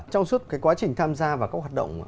trong suốt cái quá trình tham gia và các hoạt động